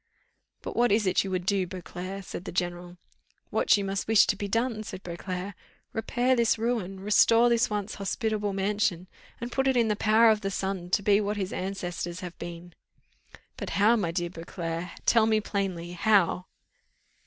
"But what is it you would do, Beauclerc?" said the general. "What you must wish to be done," said Beauclerc. "Repair this ruin, restore this once hospitable mansion, and put it in the power of the son to be what his ancestors have been." "But how my dear Beauclerc? Tell me plainly how?"